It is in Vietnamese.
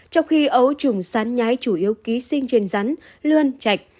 trong khi ấu trùng sán nhái chủ yếu ký sinh trên rắn lươn chạch